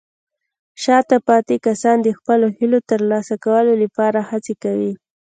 شاته پاتې کسان د خپلو هیلو ترلاسه کولو لپاره هڅې کوي.